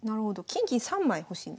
金銀３枚欲しいんですね。